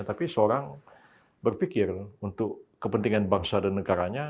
tapi seorang berpikir untuk kepentingan bangsa dan negaranya